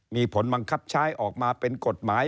มีผลบังคับใช้ออกมาเป็นกฎหมาย